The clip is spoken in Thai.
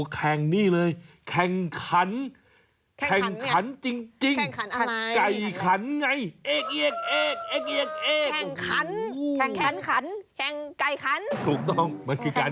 แข่งนี่เลยแข่งขัน